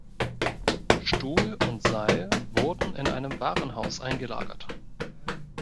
Stuhl und Seil wurden in einem Warenhaus eingelagert.